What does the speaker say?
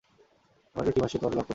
আমার একটা টিম আসছে তোমাকে লক করতে।